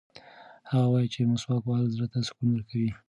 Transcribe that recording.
هغه وایي چې مسواک وهل زړه ته سکون ورکوي.